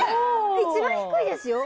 一番低いですよ。